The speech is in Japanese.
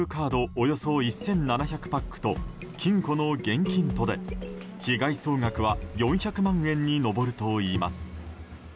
およそ１７００パックと金庫の現金とで被害総額は４００万円に上るといいます。